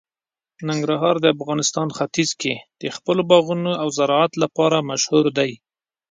ننګرهار د افغانستان ختیځ کې د خپلو باغونو او زراعت لپاره مشهور دی.